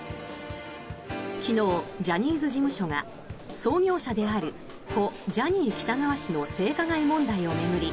昨日、ジャニーズ事務所が創業者である故・ジャニー喜多川氏の性加害問題を巡り